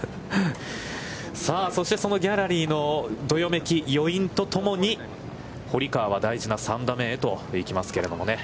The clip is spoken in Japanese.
そしてそのギャラリーのどよめき、余韻とともに、堀川は大事な３打目へと行きますけれどもね。